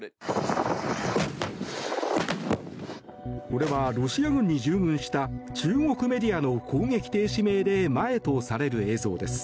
これは、ロシア軍に従軍した中国メディアの攻撃停止命令前とされる映像です。